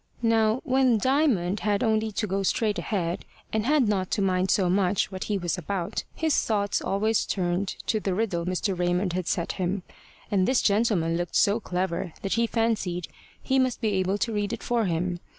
Now when Diamond had only to go straight ahead, and had not to mind so much what he was about, his thoughts always turned to the riddle Mr. Raymond had set him; and this gentleman looked so clever that he fancied he must be able to read it for him.